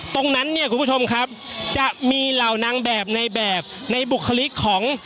ตรงนั้นเนี่ยคุณผู้ชมครับจะมีเหล่านางแบบในแบบในบุคลิกของ